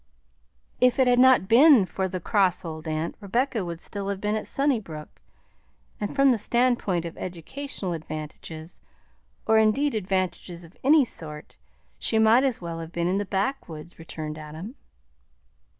"If it had not been for the cross old aunt, Rebecca would still have been at Sunnybrook; and from the standpoint of educational advantages, or indeed advantages of any sort, she might as well have been in the backwoods," returned Adam.